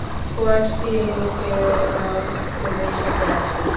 Word C এর লোকেরাও ওদের সাথে আছে।